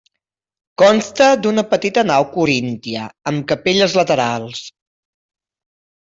Consta d'una petita nau coríntia, amb capelles laterals.